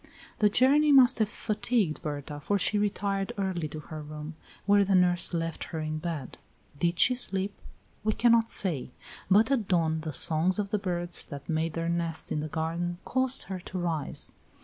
The journey must have fatigued Berta, for she retired early to her room, where the nurse left her in bed. Did she sleep? We cannot say; but at dawn the songs of the birds that made their nests in the garden caused her to rise.